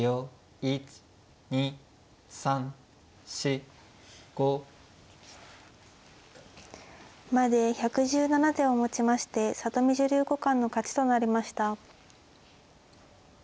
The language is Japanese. １２３４５。まで１１７手をもちまして里見女流五冠の勝ちとなりました。